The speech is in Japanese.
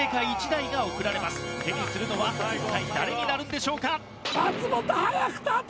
手にするのは一体誰になるんでしょうか？